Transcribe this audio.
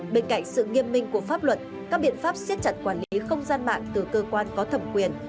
bên cạnh sự nghiêm minh của pháp luật các biện pháp siết chặt quản lý không gian mạng từ cơ quan có thẩm quyền